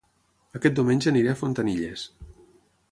Aquest diumenge aniré a Fontanilles